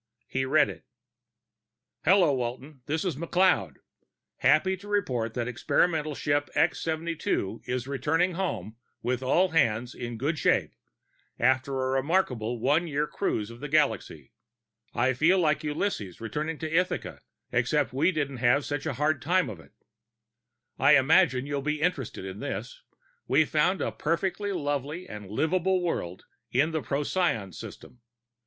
He read it: _Hello Walton, this is McLeod. Happy to report that experimental ship X 72 is returning home with all hands in good shape, after a remarkable one year cruise of the galaxy. I feel like Ulysses returning to Ithaca, except we didn't have such a hard time of it._ _I imagine you'll be interested in this: we found a perfectly lovely and livable world in the Procyon system.